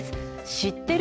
知ってる？